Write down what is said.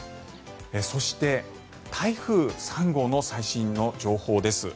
そして台風３号の最新の情報です。